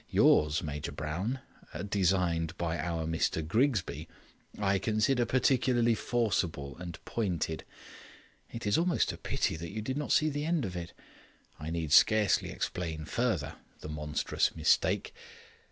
Yours, Major Brown (designed by our Mr Grigsby), I consider peculiarly forcible and pointed; it is almost a pity you did not see the end of it. I need scarcely explain further the monstrous mistake.